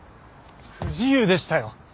不自由でしたよ！